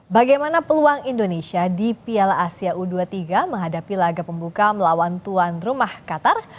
bagaimana peluang indonesia di piala asia u dua puluh tiga menghadapi laga pembuka melawan tuan rumah qatar